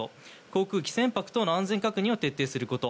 航空機、船舶等の安全確認を徹底すること